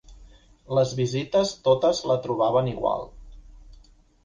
Les visites totes la trobaven igual